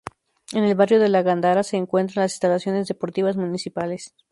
En el barrio de La Gándara se encuentran las instalaciones deportivas municipales.